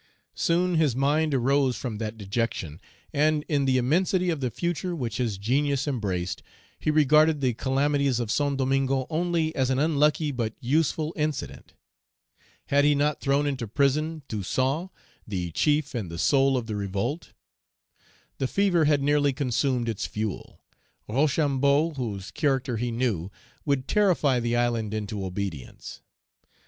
Soon his mind arose from that dejection, and in the immensity of the future which his genius embraced, he regarded the calamities of Saint Domingo only as an unlucky but useful incident. Had he not thrown into prison Toussaint, the chief and the soul of the revolt? The fever had nearly consumed its fuel; Rochambeau, whose character he knew, would terrify the island into obedience.